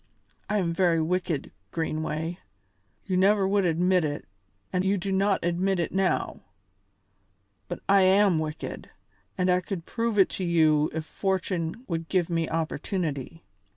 I am very wicked, Greenway; you never would admit it and you do not admit it now, but I am wicked, and I could prove it to you if fortune would give me opportunity."